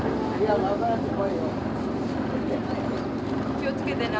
・気をつけてな。